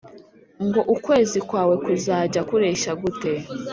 ngo ukwezi kwawe kuzajya kureshya gute